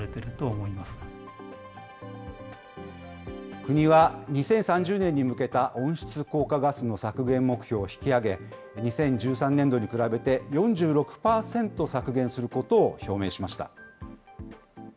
国は２０３０年に向けた温室効果ガスの削減目標を引き上げ、２０１３年度に比べて、４６％削減することを表明しました。